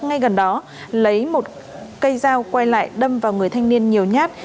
ngay gần đó lấy một cây dao quay lại đâm vào người thanh niên nhiều nhát